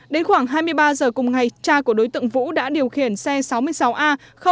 đến khoảng hai mươi ba giờ cùng ngày cha của đối tượng vũ đã điều khiển xe sáu mươi sáu a